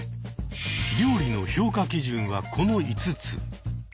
料理の評価基準はこの５つ。